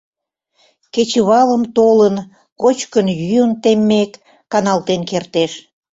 Кечывалым толын, кочкын-йӱын теммек, каналтен кертеш.